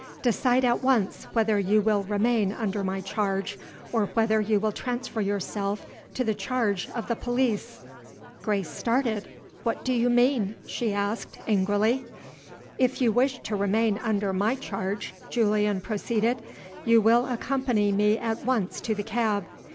Decide at once whether you will remain under my charge, or whether you will transfer yourself to the charge of the police." Grace started. "What do you mean?" she asked, angrily. "If you wish to remain under my charge," Julian proceeded, "you will accompany me at once to the cab.